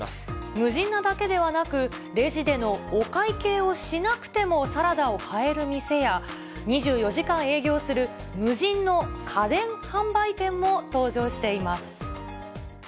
無人なだけではなく、レジでのお会計をしなくてもサラダを買える店や、２４時間営業する無人の家電販売店も登場しています。